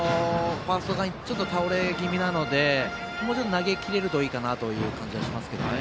ファースト側に倒れ気味なのでもうちょっと投げ切れるといいかなという感じがします。